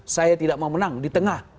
saya tidak mau menang di tengah